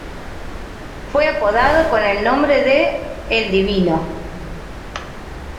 Fue apodado con el nombre de "El Divino".